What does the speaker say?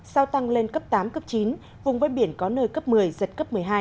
sau tăng lên cấp tám cấp chín vùng ven biển có nơi cấp một mươi giật cấp một mươi hai